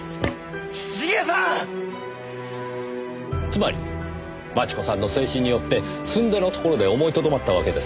つまり真智子さんの制止によってすんでのところで思いとどまったわけですね？